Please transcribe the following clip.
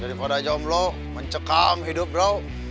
daripada aja om lo mencekam hidup bro